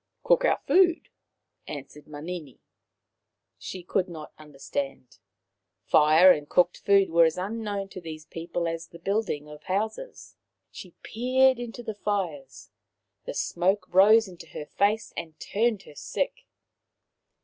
" Cook our food," answered Manini. She could not understand. Fire and cooked food were as unknown to these people as the building of houses. She peered into the fires ; the smoke rose into her face and turned her sick.